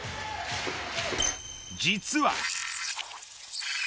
実は。